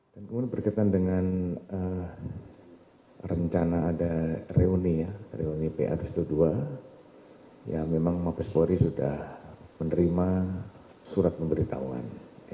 kemudian berkaitan dengan rencana ada reuni ya reuni pa dua ratus dua belas ya memang mabes polri sudah menerima surat pemberitahuan